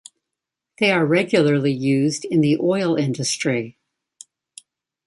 They are regularly used in the oil industry.